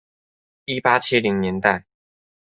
一八七零年代